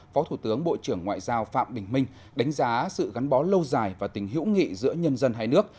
phó thủ tướng bộ trưởng ngoại giao phạm bình minh đánh giá sự gắn bó lâu dài và tình hữu nghị giữa nhân dân hai nước